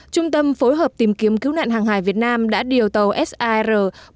trung tâm phối hợp tìm kiếm cứu nạn hàng hải việt nam đã điều tàu sir bốn trăm một mươi một